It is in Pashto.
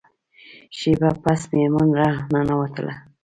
شیبه پس میرمن را ننوتله.